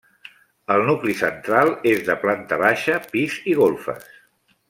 El nucli central és de planta baixa, pis i golfes.